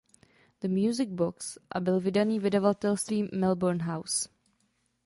The Music Box a byl vydaný vydavatelstvím Melbourne House.